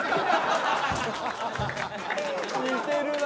似てるな